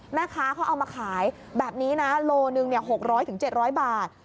แม่ค้าเขาเอามาขายแบบนี้นะโลหนึ่ง๖๐๐๗๐๐บาท